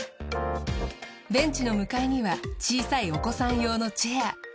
ベンチの向かいには小さいお子さん用のチェア。